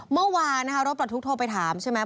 เมื่อวานรถปลาทุกโทไปถามใช่ไหม